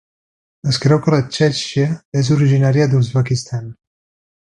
Es creu que la txèxia és originària d'Uzbekistan.